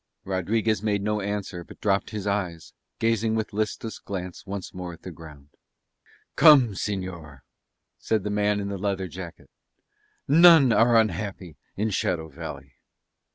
Rodriguez made no answer but dropped his eyes, gazing with listless glance once more at the ground. "Come, señor," said the man in the leather jacket. "None are unhappy in Shadow Valley."